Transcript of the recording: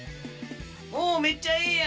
おめっちゃええやん！